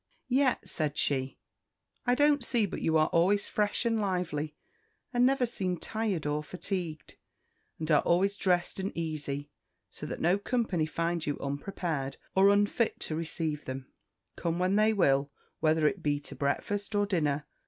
"Yet," said she, "I don't see but you are always fresh and lively, and never seem tired or fatigued; and are always dressed and easy, so that no company find you unprepared, or unfit to receive them, come when they will, whether it be to breakfast or dinner."